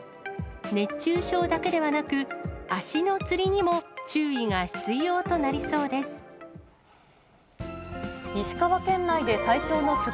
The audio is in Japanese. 熱中症だけではなく、足のつりにも注意が必要となりそうです。